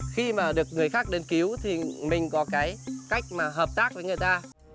khi mà được người khác đến cứu thì mình có cái cách mà hợp tác với người ta